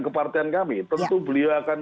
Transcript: kepartian kami tentu beliau akan